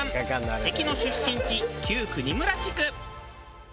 関の出身地旧六合村地区。